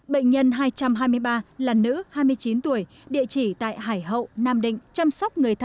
bệnh nhân hai trăm hai mươi ba là nữ hai mươi chín tuổi địa chỉ tại hải hậu nam định chăm sóc người thân